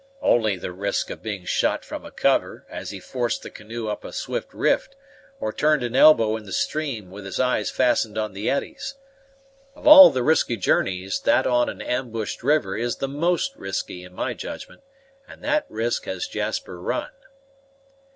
"Only the risk of being shot from a cover, as he forced the canoe up a swift rift, or turned an elbow in the stream, with his eyes fastened on the eddies. Of all the risky journeys, that on an ambushed river is the most risky, in my judgment, and that risk has Jasper run."